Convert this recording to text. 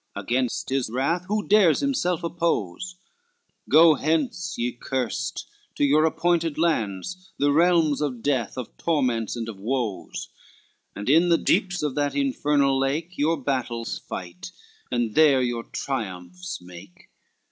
Against his wrath who dares himself oppose? Go hence, you cursed, to your appointed lands, The realms of death, of torments, and of woes, And in the deeps of that infernal lake Your battles fight, and there your triumphs make.